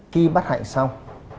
khi bắt hạnh xong